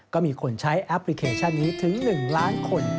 ก็มีคนใช้แอปพลิเคชันนี้ถึง๑ล้านคน